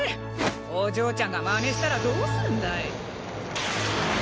お嬢ちゃんがまねしたらどうすんだい。